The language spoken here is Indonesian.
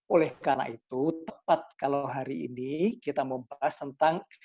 oleh karena itu tepat kalau hari ini kita membahas tentang